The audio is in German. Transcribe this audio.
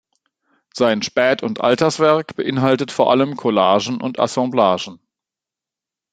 Sein Spät- und Alterswerk beinhaltet vor allem Collagen und Assemblagen.